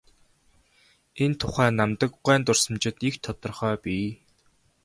Энэ тухай Намдаг гуайн дурсамжид их тодорхой бий.